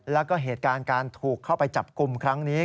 แล้วก็เหตุการณ์การถูกเข้าไปจับกลุ่มครั้งนี้